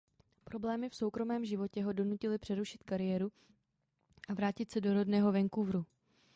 Problémy v soukromém životě ho donutily přerušit kariéru a vrátit se do rodného Vancouveru.